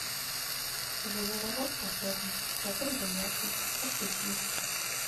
Жывёлавод патрэбны, чатыры даяркі, пастухі.